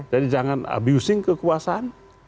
jadi jangan abusing kekuasaan